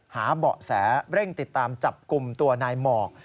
หาเบาะแสเร่งติดตามจับกลุ่มตัวนายหมอก